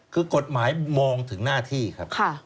คือกฎหมายมองถึงหน้าที่ครับ